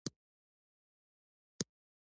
زه د تاریخ معلم یم.